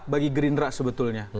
bagi gerindra sebetulnya